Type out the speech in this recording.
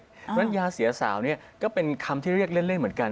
เพราะฉะนั้นยาเสียสาวเนี่ยก็เป็นคำที่เรียกเล่นเหมือนกัน